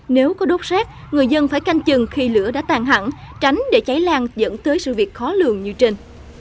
nếu có đốt rác người dân phải canh chừng khi lửa đã tàn hẳn tránh để cháy lan dẫn tới sự việc khó lường như trên